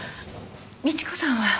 美知子さんは？